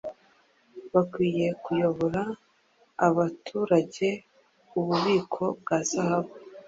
Bikwiye kuyobora abaturageububiko bwa zahabu